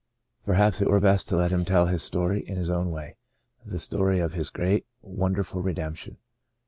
Perhaps it were best to let him tell his story in his own way — the story of his great, his won derful redemption.